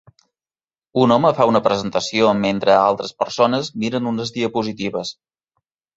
Un home fa una presentació mentre altres persones miren unes diapositives